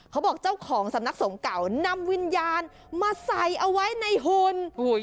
เขาบอกเจ้าของสำนักสงฆ์เก่านำวิญญาณมาใส่เอาไว้ในหุ่น